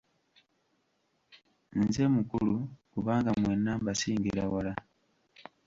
Nze mukulu kubanga mwenna mbasingira wala.